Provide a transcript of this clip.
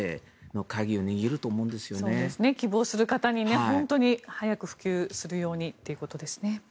希望する方に本当に早く普及するようにということですね。